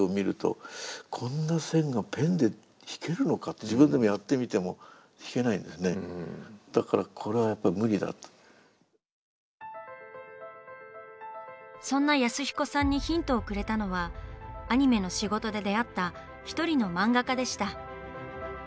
いや僕はそのそんな安彦さんにヒントをくれたのはアニメの仕事で出会った一人の漫画家でした。